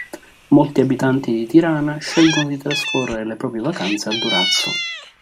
Molti abitanti di Tirana scelgono di trascorrere le proprie vacanze a Durazzo.